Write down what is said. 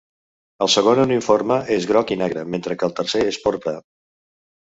El segon uniforme és el groc i negre, mentre que el tercer és porpra.